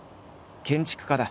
建築家だ。